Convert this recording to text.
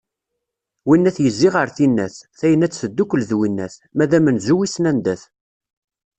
Winnat yezzi ɣer tinnat, tayennat teddukel d winnat, ma d amenzu wisen anda-t.